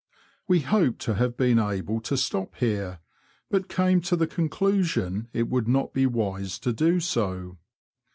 We hoped to have been able to stop here, but came to the conclusion it would not be wise to do so.